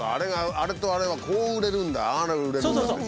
あれとあれはこう売れるんだああ売れるんだっていう情報が。